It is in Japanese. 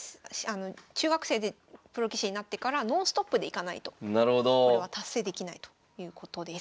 中学生でプロ棋士になってからノンストップでいかないとこれは達成できないということです。